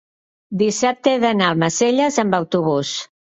dissabte he d'anar a Almacelles amb autobús.